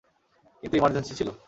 কিন্তু ইমার্জেন্সি ছিল।